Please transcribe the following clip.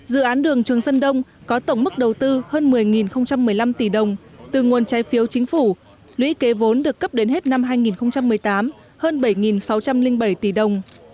dự án đường trường sơn đông có tổng mức đầu tư hơn một mươi một mươi năm tỷ đồng từ nguồn trái phiếu chính phủ lũy kế vốn được cấp đến hết năm hai nghìn một mươi tám hơn bảy sáu trăm linh bảy tỷ đồng